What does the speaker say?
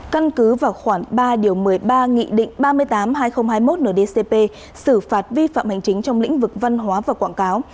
căn cứ vào khoảng ba điều một mươi ba nghị định ba mươi tám hai nghìn hai mươi một ndcp xử phạt vi phạm hành chính trong lĩnh vực văn hóa và quảng cáo